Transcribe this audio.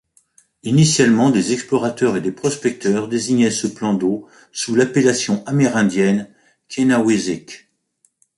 Initialement, des explorateurs et des prospecteurs désignait ce plan d’eau sous l’appellation amérindienne Kienawisik.